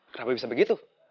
kenapa bisa begitu